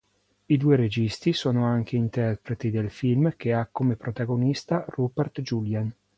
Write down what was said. I due registi sono anche interpreti del film che ha come protagonista Rupert Julian.